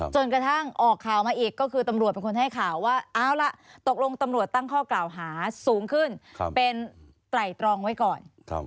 จนกระทั่งออกข่าวมาอีกก็คือตำรวจเป็นคนให้ข่าวว่าเอาล่ะตกลงตำรวจตั้งข้อกล่าวหาสูงขึ้นเป็นไตรตรองไว้ก่อน